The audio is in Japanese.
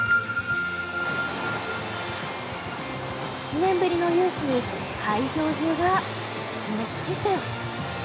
７年ぶりの雄姿に会場中が熱視線。